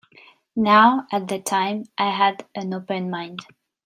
Now at the time I had an open mind.